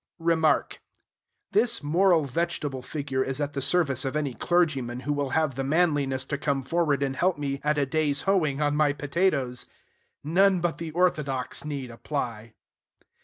Remark. This moral vegetable figure is at the service of any clergyman who will have the manliness to come forward and help me at a day's hoeing on my potatoes. None but the orthodox need apply.